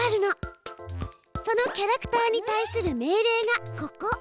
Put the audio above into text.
そのキャラクターに対する命令がここ。